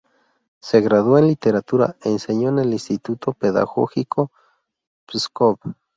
Se graduó en literatura, enseñó en el Instituto Pedagógico Pskov.